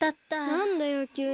なんだよきゅうに。